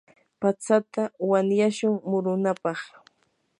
patsata wanyashun murunapaq.